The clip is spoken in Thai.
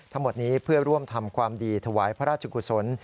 ทั้งหมดนี้เพื่อร่วมทำความดีถวายพระราชกุศล